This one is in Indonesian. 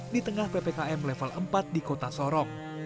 di tengah ppkm level empat di kota sorong